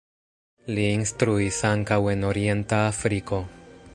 Li instruis ankaŭ en Orienta Afriko.